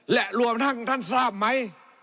และรวมทั้งท่านทราบไหม